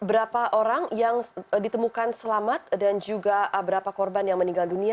berapa orang yang ditemukan selamat dan juga berapa korban yang meninggal dunia